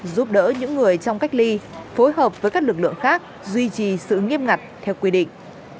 giúp đỡ những người trong cách ly phối hợp với các lực lượng khác duy trì sự nghiêm ngặt theo quy định